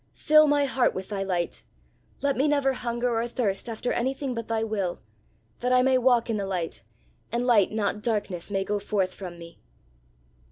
Fill my heart with thy light; let me never hunger or thirst after anything but thy will that I may walk in the light, and light, not darkness, may go forth from me."